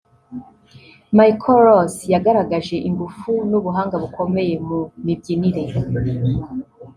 Michael Ross yagaragaje ingufu n’ubuhanga bukomeye mu mibyinire